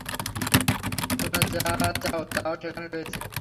তোমরা যা চাও তা সেখানে রয়েছে।